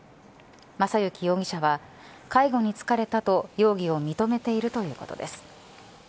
正幸容疑者は介護に疲れたと容疑を認めているということです。